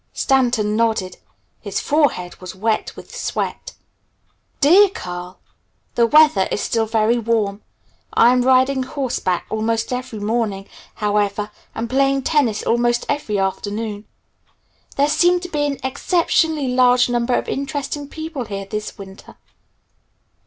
Stanton nodded. His forehead was wet with sweat. "DEAR CARL, "The weather is still very warm. I am riding horseback almost every morning, however, and playing tennis almost every afternoon. There seem to be an exceptionally large number of interesting people here this winter.